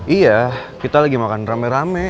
iya kita lagi makan rame rame